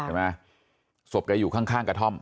เห็นไหมศพแกอยู่ข้างกระท่อม